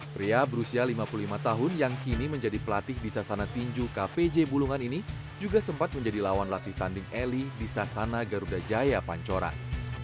pria berusia lima puluh lima tahun yang kini menjadi pelatih di sasana tinju kpj bulungan ini juga sempat menjadi lawan latih tanding eli di sasana garuda jaya pancoran